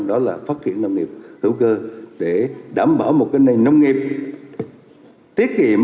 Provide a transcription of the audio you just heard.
đó là phát triển nông nghiệp hữu cơ để đảm bảo một nền nông nghiệp tiết kiệm